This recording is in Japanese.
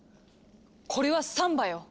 これは「サンバ」よ！